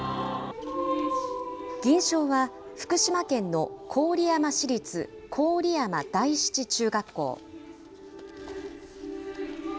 銀賞は福島県の郡山市立郡山第七中学校。